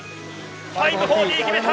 ５４０、決めた！